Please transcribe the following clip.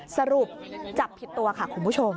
สรุปจับผิดตัวค่ะคุณผู้ชม